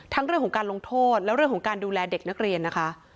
เรื่องของการลงโทษและเรื่องของการดูแลเด็กนักเรียนนะคะ